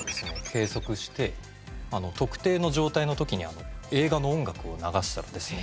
計測して特定の状態の時に映画の音楽を流したらですね